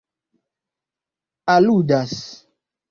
aludas